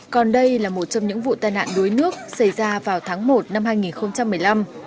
còn đây là một trong những vụ tai nạn đuối nước xảy ra vào tháng một năm hai nghìn một mươi năm